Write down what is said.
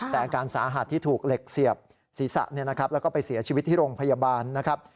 แต่อาการสาหัสที่ถูกเหล็กเสียบศีรษะแล้วก็ไปเสียชีวิตที่โรงพยาบาลนะครับ